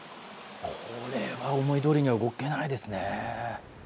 これは思いどおりには動けないですね。